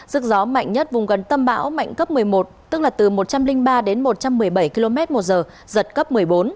sức gió mạnh nhất vùng gần tâm bão mạnh cấp một mươi một tức là từ một trăm linh ba đến một trăm một mươi bảy km một giờ giật cấp một mươi bốn